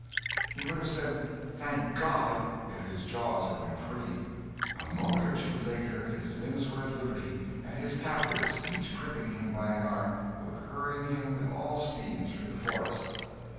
He would have said "Thank God!" if his jaws had been free. A moment or two later his limbs were at liberty, and his captors, each gripping him by an arm, were hurrying him with all speed through the forest.